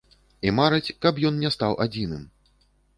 І мараць, каб ён не стаў адзіным.